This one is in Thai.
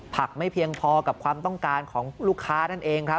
ไม่เพียงพอกับความต้องการของลูกค้านั่นเองครับ